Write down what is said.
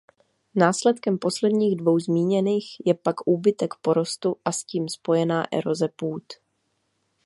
Následkem posledních dvou zmíněných je pak úbytek porostu a s tím spojená eroze půd.